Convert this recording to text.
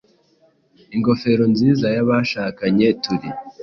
Ingofero nziza ya Abashakanye turi